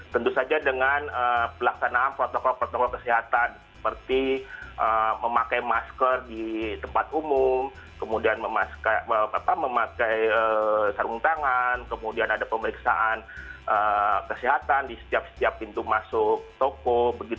tentu saja dengan pelaksanaan protokol protokol kesehatan seperti memakai masker di tempat umum kemudian memakai sarung tangan kemudian ada pemeriksaan kesehatan di setiap setiap pintu masuk toko